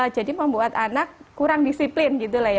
jadi membuat anak kurang disiplin